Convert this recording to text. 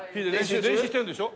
練習してるんでしょ？